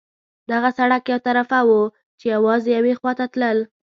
دغه سړک یو طرفه وو، چې یوازې یوې خوا ته تلل.